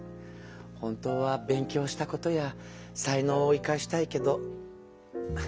本当は勉強したことや才能を生かしたいけど。